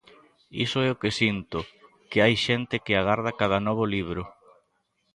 Iso é o que sinto, que hai xente que agarda cada novo libro.